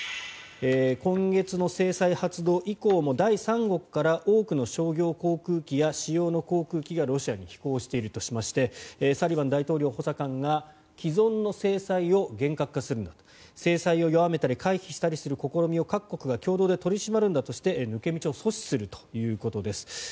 今月の制裁発動以降も第三国から多くの商業航空機や私用の航空機がロシアに飛行しているとしましてサリバン大統領補佐官が既存の制裁を厳格化するんだと制裁を弱めたり回避したりする試みを各国が共同で取り締まるんだとして抜け道を阻止するということです。